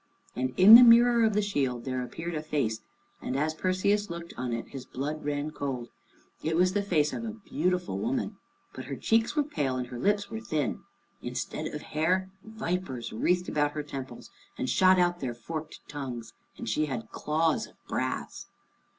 And in the mirror of the shield there appeared a face, and as Perseus looked on it his blood ran cold. It was the face of a beautiful woman, but her cheeks were pale, and her lips were thin. Instead of hair, vipers wreathed about her temples and shot out their forked tongues, and she had claws of brass.